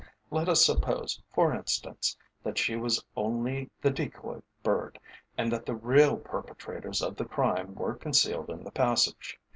Let us suppose, for instance, that she was only the decoy bird, and that the real perpetrators of the crime were concealed in the passage.